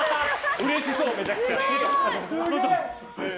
うれしそう、めちゃくちゃ。